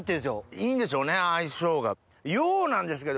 いいんでしょうね相性が。